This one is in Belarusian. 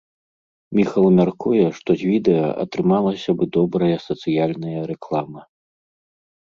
Міхал мяркуе, што з відэа атрымалася бы добрая сацыяльная рэклама.